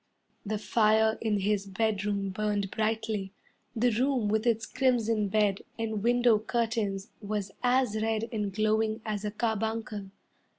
The fire in his bedroom burned brightly. The room with its crimson bed and window curtains Was as red and glowing as a carbuncle.